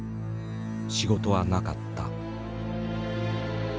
仕事はなかった。